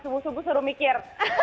subuh subuh suruh mikir